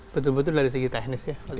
betul betul dari segi teknis ya